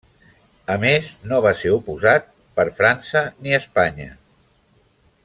A més, no va ser oposat per ni França ni Espanya.